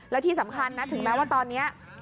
และที่สำคัญนะถึงแม้ว่าตอนนี้